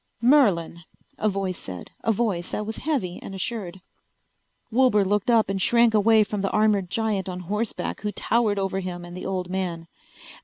"Merlin," a voice said, a voice that was heavy and assured. Wilbur looked up and shrank away from the armored giant on horseback who towered over him and the old man.